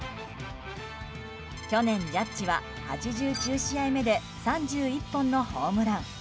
去年、ジャッジは８９試合目で３１本のホームラン。